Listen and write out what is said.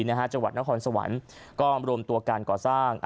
จังหวัดนครสวรรค์ก็รวมตัวการก่อสร้าง